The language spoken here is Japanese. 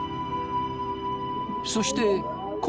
そして昴